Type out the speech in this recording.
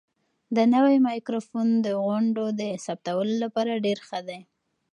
دا نوی مایکروفون د غونډو د ثبتولو لپاره ډېر ښه دی.